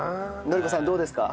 乃梨子さんどうですか？